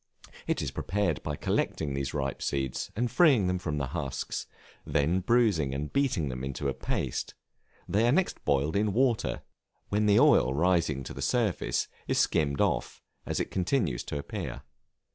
It is prepared by collecting these ripe seeds, and freeing them from the husks; then bruising and beating them into a paste; they are next boiled in water, when the oil rising to the surface is skimmed off as it continues to appear.